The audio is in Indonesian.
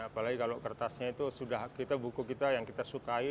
apalagi kalau kertasnya itu sudah kita buku kita yang kita sukai